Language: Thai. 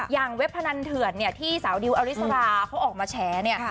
เว็บพนันเถื่อนเนี่ยที่สาวดิวอริสราเขาออกมาแฉเนี่ย